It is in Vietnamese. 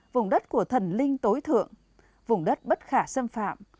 vùng đất của thần linh tối thượng vùng đất bất khả xâm phạm